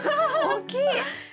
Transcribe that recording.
大きい。